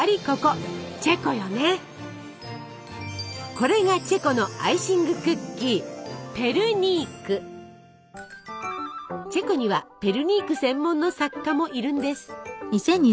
これがチェコのアイシングクッキーチェコにはペルニーク専門の作家もいるんです。